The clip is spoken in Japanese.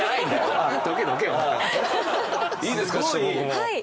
はい。